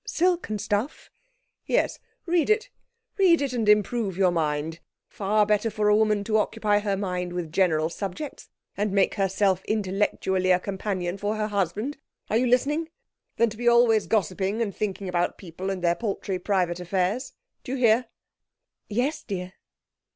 "Silk and Stuff"?' 'Yes. Read it read it and improve your mind. Far better for a woman to occupy her mind with general subjects, and make herself intellectually a companion for her husband are you listening? than to be always gossiping and thinking about people and their paltry private affairs. Do you hear?' 'Yes, dear.'